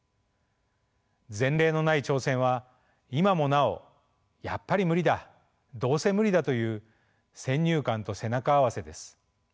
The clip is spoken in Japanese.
前例のない挑戦は今もなおやっぱり無理だどうせ無理だという先入観と背中合わせです。